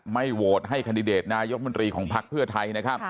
โหวตให้แคนดิเดตนายกมนตรีของพักเพื่อไทยนะครับ